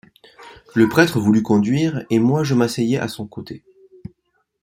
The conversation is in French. Le prêtre voulut conduire et moi je m'asseyais à son côté.